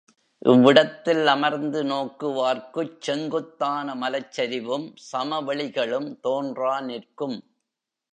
இவ்விடத்தில் அமர்ந்து நோக்குவார்க்குச் செங்குத்தான மலைச் சரிவும், சமவெளிகளும் தோன்றா நிற்கும்.